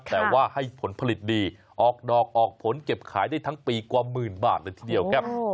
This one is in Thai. แต่ว่าให้ผลผลิตดีออกดอกออกผลเก็บขายได้ทั้งปีกว่าหมื่นบาทเลยทีเดียวครับ